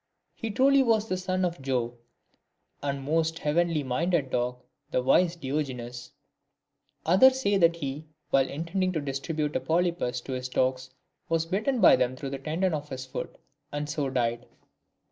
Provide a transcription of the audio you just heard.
He truly was the son Of Jove, and a most heavenly minded dog, The wise Diogenes, Others say that he, while intending to distribute a polypus to his dogs, was bitten by them through the tendon of his foot, and so died.